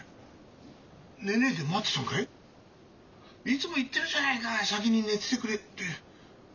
いつも言ってるじゃねえか先に寝ててくれって。